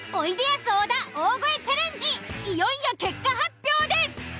いよいよ結果発表です。